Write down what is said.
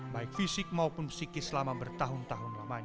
baik fisik maupun psikis selama bertahun tahun lamanya